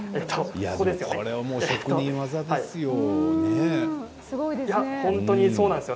これは職人技ですよ。